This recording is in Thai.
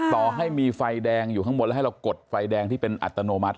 ต่อให้มีไฟแดงอยู่ข้างบนแล้วให้เรากดไฟแดงที่เป็นอัตโนมัติ